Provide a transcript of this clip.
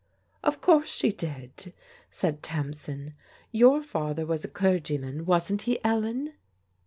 " Of course she did/' said Tamsin. " Your father was a clergyman, wasn't he, Ellen